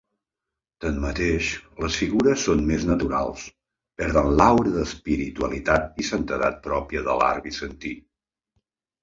Tanmateix, les figures són més naturals, perden l'aura d'espiritualitat i santedat pròpia de l'art bizantí.